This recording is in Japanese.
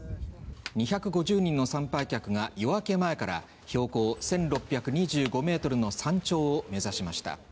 ２５０人の参拝客が夜明け前から標高１６２５メートルの山頂を目指しました。